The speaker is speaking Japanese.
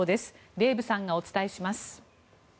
デーブさんがお伝えします。